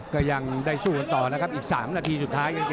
ก็ยังได้สู้กันต่ออีก๓นาทีแล้ว